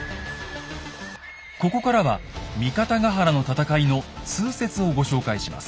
ここからは三方ヶ原の戦いの通説をご紹介します。